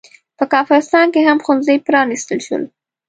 په کافرستان کې هم ښوونځي پرانستل شول.